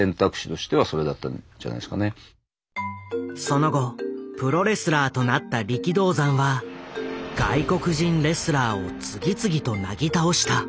その後プロレスラーとなった力道山は外国人レスラーを次々となぎ倒した。